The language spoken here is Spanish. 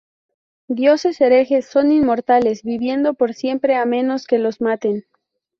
Dioses Herejes son inmortales, viviendo por siempre a menos que los maten.